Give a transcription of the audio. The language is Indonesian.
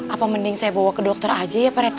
apa mending saya bawa ke dokter aja ya